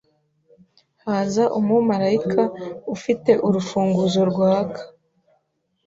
Haza umumarayika ufite urufunguzo rwaka